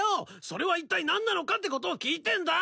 それはいったい何なのかってことを聞いてんだ。